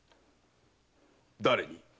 誰に？